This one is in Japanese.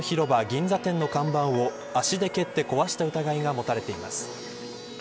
銀座店の看板を足で蹴って壊した疑いが持たれています。